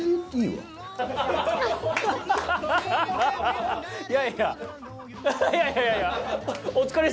はい。